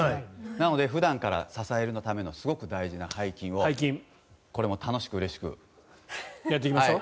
なので普段から支えるためのすごい大事な背筋をこれも楽しくうれしくやってみましょう。